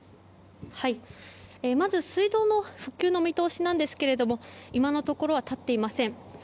まず、水道の復旧の見通しなんですが今のところは立っていません。